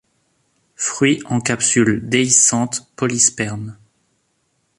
Fruits en capsules déhiscentes, polyspermes.